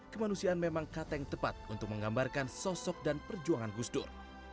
kemanusiaan memang kata yang tepat untuk menggambarkan sosok dan perjuangan gus dur